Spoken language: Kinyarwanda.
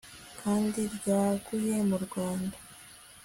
kandi ryaguye mu rwanda